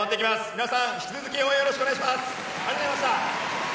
皆さん、引き続き応援よろしくお願いします！